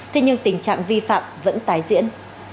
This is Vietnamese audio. thế nhưng tình trạng vi phạm vẫn tái diễn